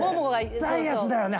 痛いやつだよね。